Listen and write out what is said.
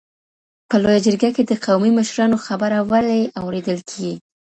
په لویه جرګه کي د قومي مشرانو خبره ولي اورېدل کیږي؟